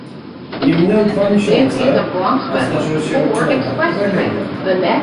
Nie minęły dwa miesiące, a zdarzyła się kolejna tragedia